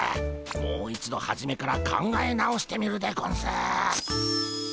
もう一度はじめから考え直してみるでゴンス。